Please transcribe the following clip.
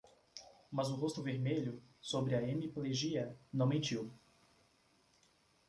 Mas o rosto vermelho, sobre a hemiplegia, não mentiu.